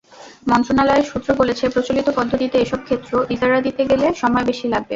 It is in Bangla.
মন্ত্রণালয়ের সূত্র বলেছে, প্রচলিত পদ্ধতিতে এসব ক্ষেত্র ইজারা দিতে গেলে সময় বেশি লাগবে।